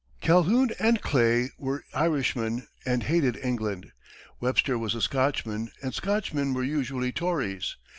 Calhoun and Clay were Irishmen and hated England; Webster was a Scotchman, and Scotchmen were usually Tories.